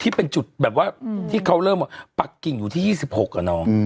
ที่เป็นจุดแบบว่าที่เขาเริ่มปักกิ่งอยู่ที่๒๖อะน้อง